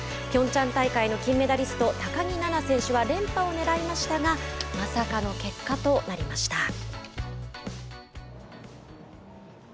ピョンチャン大会の金メダリスト高木菜那選手は連覇をねらいましたがまさかの結果となりました。